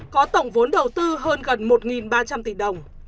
có tổng vốn đầu tư hơn gần một ba trăm linh tỷ đồng